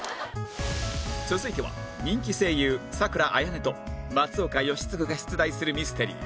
続いては人気声優佐倉綾音と松岡禎丞が出題するミステリー